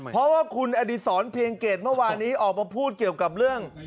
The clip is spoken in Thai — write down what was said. เพราะว่าคุณอดีศรเพียงเกตเมื่อวานนี้ออกมาพูดเกี่ยวกับเรื่อง